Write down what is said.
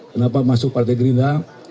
kenapa masuk partai gelina